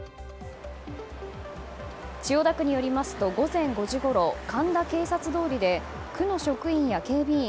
千代田区によりますと午前５時ごろ神田警察通りで区の職員や警備員